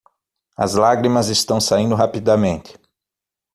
As lágrimas estão saindo rapidamente.